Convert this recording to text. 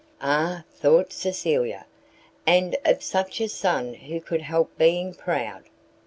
"Ah!" thought Cecilia, "and of such a son who could help being proud!"